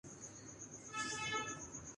واپس لوٹے۔